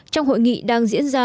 trong hội nghị đang diễn ra